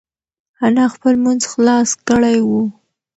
انا خپل لمونځ خلاص کړی و.